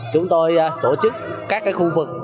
chúng tôi tổ chức các khu vực